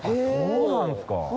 そうなんですか。